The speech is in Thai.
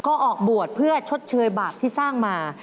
ก็ออกบวชเพื่อชดเชยบาปที่สร้างมา